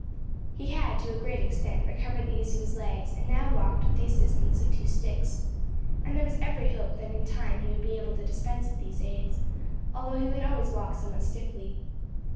He had, to a great extent, recovered the use of his legs, and now walked with the assistance of two sticks, and there was every hope that in time he would be able to dispense with these aids, although he would always walk somewhat stiffly.